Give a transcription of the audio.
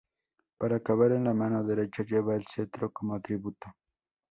Para acabar, en la mano derecha lleva el cetro, como atributo.